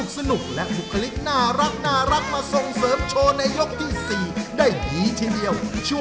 ส่งไว้น่ารักสุดเลย